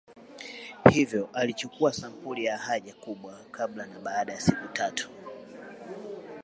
Hivyo alichukua sampuli ya haja kubwa kabla na baada ya siku tatu